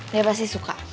dia pasti suka